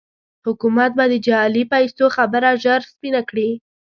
حکومت به د جعلي پيسو خبره ژر سپينه کړي.